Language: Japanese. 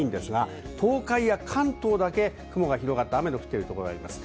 東海や関東だけ、雲が広がって雨の降っているところがあります。